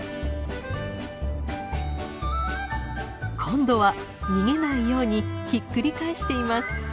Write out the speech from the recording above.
今度は逃げないようにひっくり返しています。